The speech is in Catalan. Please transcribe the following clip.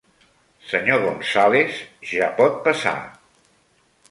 Senyor González, ja pot passar.